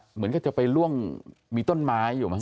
เหมือนกับจะไปล่วงมีต้นไม้อยู่มั้